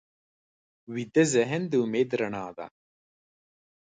ویده ذهن د امید رڼا ده